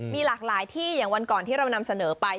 มีหลากหลายที่อย่างวันก่อนที่เรานำเสนอไป